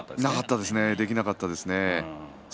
できなかったですね。